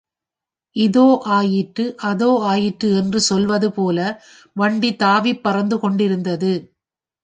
இதோ ஆயிற்று, அதோ ஆயிற்று என்று சொல்வது போல வண்டி தாவிப் பறந்து கொண்டிருந்தது.